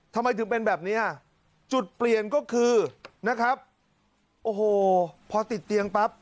ทำไมถึงเป็นแบบเนี้ยจุดเปลี่ยนก็คือนะครับโอ้โหพอติดเตียงปั๊บ